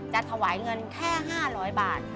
จะถวายเงินแค่๕๐๐บาท